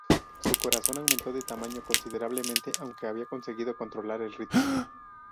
Su corazón aumentó de tamaño considerablemente aunque había conseguido controlar el ritmo.